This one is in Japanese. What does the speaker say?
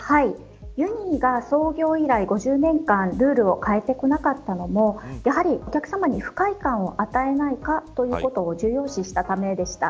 ユニーが創業以来５０年間ルールを変えてこなかったのもやはりお客さまに不快感を与えないかというところを重要視したためでした。